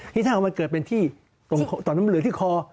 นี่ถ้ามันเกิดเป็นที่ตรงตอนนั้นมันเหลือที่คอ